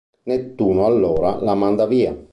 Nettuno, allora, la manda via.